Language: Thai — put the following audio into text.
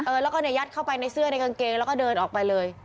แล้วก็เนี่ยยัดเข้าไปในเสื้อในกางเกงแล้วก็เดินออกไปเลย